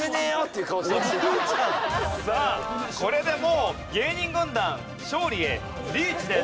さあこれでもう芸人軍団勝利へリーチです。